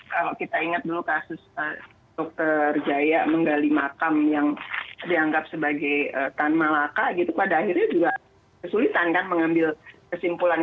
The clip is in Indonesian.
kalau kita ingat dulu kasus dr jaya menggali makam yang dianggap sebagai tan malaka gitu pada akhirnya juga kesulitan kan mengambil kesimpulan